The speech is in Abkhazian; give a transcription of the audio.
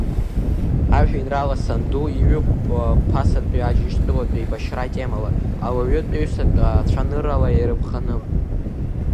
Ажәеинраала Санду иҩуп ԥасатәи Аџьынџьтәылатә еибашьра атемала, ауаҩытәыҩсатә цәаныррала ирыԥханы.